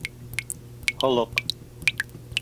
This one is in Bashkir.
Холоҡ